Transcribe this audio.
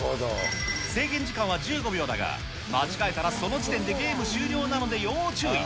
制限時間は１５秒だが、間違えたらその時点でゲーム終了なので要注意。